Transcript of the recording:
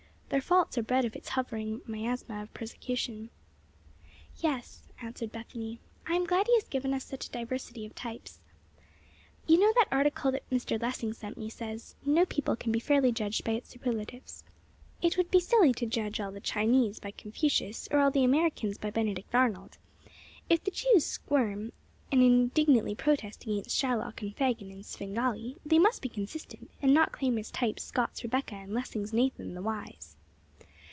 Their faults are bred of its hovering miasma of persecution.'" "Yes," answered Bethany, "I am glad he has given us such a diversity of types. You know that article that Mr. Lessing sent me says: 'No people can be fairly judged by its superlatives. It would be silly to judge all the Chinese by Confucius, or all the Americans by Benedict Arnold. If the Jews squirm and indignantly protest against Shylock and Fagin and Svengali, they must be consistent, and not claim as types Scott's Rebecca and Lessing's Nathan the Wise.'